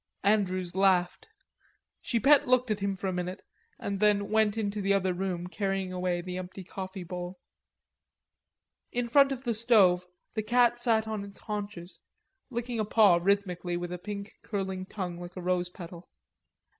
Andrews laughed. Chipette looked at him for a minute and then went into the other room carrying away the empty coffee bowl. In front of the stove the cat sat on its haunches, licking a paw rhythmically with a pink curling tongue like a rose petal.